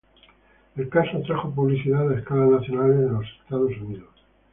El caso atrajo publicidad a escala nacional en los Estados Unidos.